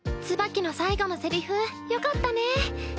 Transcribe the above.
ツバキの最後のセリフよかったね。